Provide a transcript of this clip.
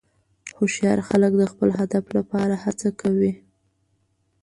هوښیار خلک د خپل هدف لپاره هڅه کوي.